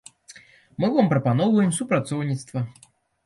Мы вам прапаноўваем супрацоўніцтва.